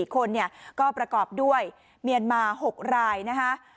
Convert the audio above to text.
๑๔คนเนี่ยก็ประกอบด้วยเมียนมาร์๖รายนะคะ